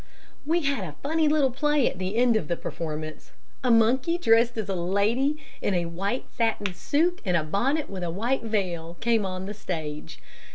"We had a funny little play at the end of the performance. A monkey dressed as a lady in a white satin suit and a bonnet with a white veil, came on the stage.